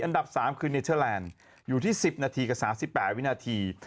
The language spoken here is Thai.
อันดับสามคือเนเธอแลนด์อยู่ที่สิบนาทีกับสามสิบแปดวินาที